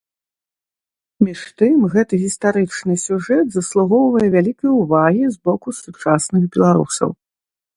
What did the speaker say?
Між тым, гэты гістарычны сюжэт заслугоўвае вялікай увагі з боку сучасных беларусаў.